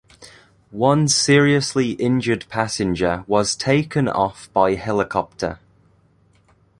One seriously injured passenger was taken off by helicopter.